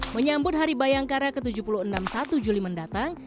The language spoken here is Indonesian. menyambut hari bayangkara ke tujuh puluh enam satu juli mendatang